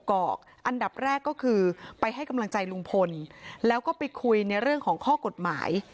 อันดับแรกก็คือไปให้กำลังใจลุงพลแล้วก็ไปคุยในเรื่องของข้อกฎหมาย